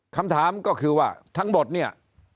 คำถามก็คือว่าทั้งหมดเนี่ย